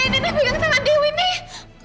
nini nini nini pegang tangan dewi nih